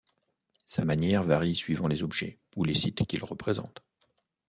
Sa manière varie suivant les objets ou les sites qu’il représente.